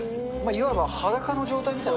いわば裸の状態みたいな。